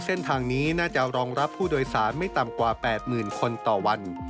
เส้นทางนี้น่าจะรองรับผู้โดยสารไม่ต่ำกว่า๘๐๐๐คนต่อวัน